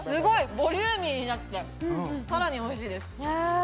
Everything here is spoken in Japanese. ボリューミーでさらにおいしいです。